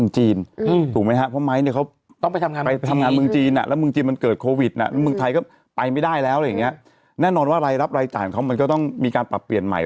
จริงมันเกิดโควิดนะเมืองไทยก็ไปไม่ได้แล้วแน่นอนว่ารายรับรายจ่ายของเขามันก็ต้องมีการปรับเปลี่ยนใหม่